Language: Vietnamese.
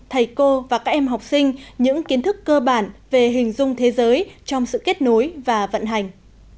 thầy cô và các em học sinh những kiến thức cơ bản về hình dung thế giới trong sự kết nối và vận hành